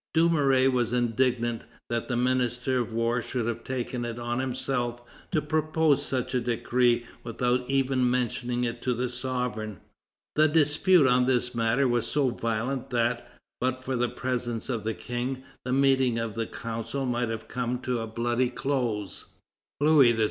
Dumouriez was indignant that the Minister of War should have taken it on himself to propose such a decree without even mentioning it to the sovereign. The dispute on this matter was so violent that, but for the presence of the King, the meeting of the Council might have come to a bloody close. Louis XVI.